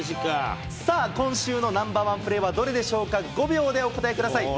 さあ、今週のナンバーワンプレーはどれでしょうか、５秒でお答え